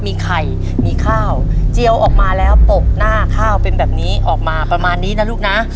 มีไข่มีข้าวเจียวออกมาแล้วปกหน้าข้าวเป็นแบบนี้ออกมาประมาณนี้นะลูกนะ